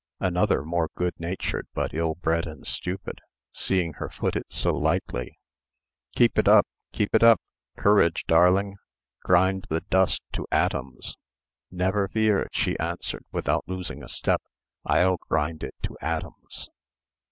Another more good natured but ill bred and stupid, seeing her foot it so lightly, "Keep it up! keep it up! Courage, darling! Grind the dust to atoms!" "Never fear," she answered, without losing a step; "I'll grind it to atoms."